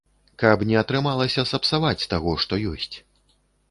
Каб не атрымалася сапсаваць таго, што ёсць.